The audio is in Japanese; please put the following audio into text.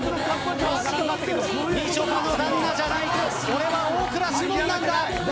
みちょぱの旦那じゃない俺は大倉士門なんだ。